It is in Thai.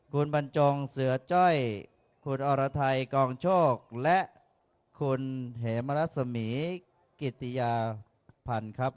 คุณบรรจงเสือจ้อยคุณอรไทยกองโชคและคุณเหมรัศมีกิติยาพันธุ์ครับ